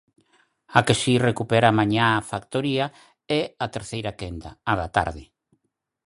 A que si recupera mañá a factoría é a terceira quenda, a da tarde.